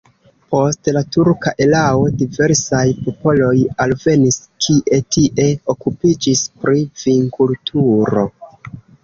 Post la turka erao diversaj popoloj alvenis, kie tie okupiĝis pri vinkulturo.